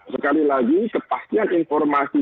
sekali lagi kepastian informasi